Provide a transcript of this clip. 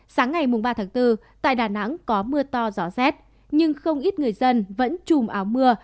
sáng ngày ba tháng bốn tại đà nẵng có mưa to gió rét nhưng không ít người dân vẫn chùm áo mưa